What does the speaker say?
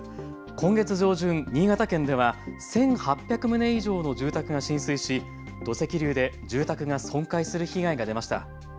今月上旬、新潟県では１８００棟以上の住宅が浸水し土石流で住宅が損壊する被害が出ました。